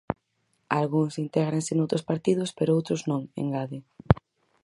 Algúns intégranse noutros partidos, pero outros non, engade.